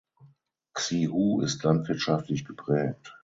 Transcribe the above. Xihu ist landwirtschaftlich geprägt.